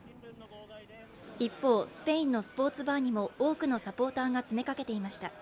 一方、スペインのスポーツバーにも多くのサポーターが詰めかけていました。